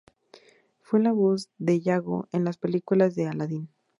Fue la voz de Yago en las películas de "Aladdín".